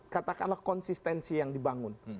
katakanlah konsistensi yang dibangun